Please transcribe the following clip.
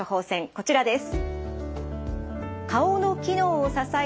こちらです。